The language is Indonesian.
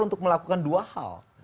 untuk melakukan dua hal